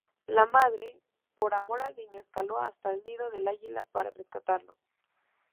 La madre, por amor al niño, escaló hasta el nido del águila para rescatarlo.